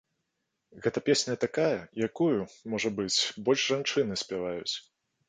Гэта песня такая, якую, можа быць, больш жанчыны спяваюць.